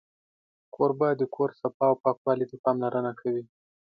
کوربه د کور صفا او پاکوالي ته پاملرنه کوي.